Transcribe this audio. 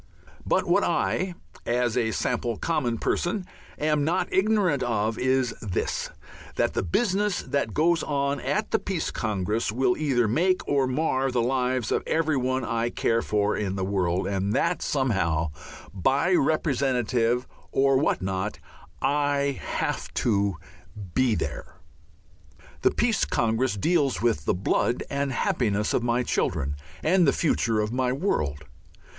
But what I, as a sample common person, am not ignorant of is this: that the business that goes on at the Peace Congress will either make or mar the lives of everyone I care for in the world, and that somehow, by representative or what not, I have to be there. The Peace Congress deals with the blood and happiness of my children and the future of my world.